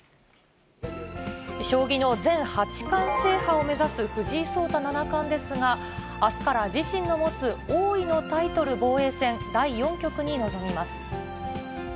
将棋の全八冠制覇を目指す藤井聡太七冠ですが、あすから自身の持つ王位のタイトル防衛戦第４局に臨みます。